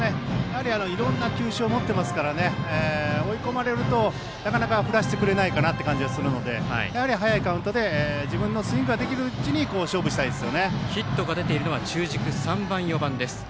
いろんな球種を持っていますから追い込まれると、なかなか振らせてくれない感じがするのでやはり早いカウントで自分のスイングができるうちにヒットが出ているのは中軸３番、４番です。